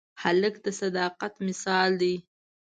هلک د صداقت مثال دی.